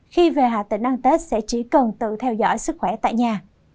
khi về hà tĩnh ăn tết sẽ chỉ cần tự theo dõi sức khỏe tại nhà